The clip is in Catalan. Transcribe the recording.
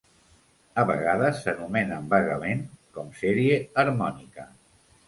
A vegades s'anomenen vagament com sèrie harmònica.